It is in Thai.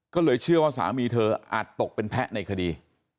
ก็เลยเชื่อว่าสามีเธออาจตกเป็นแพะในคดี